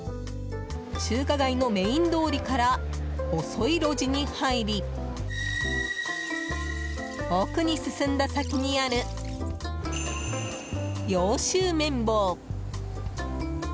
中華街のメイン通りから細い路地に入り奥に進んだ先にある揚州麺房。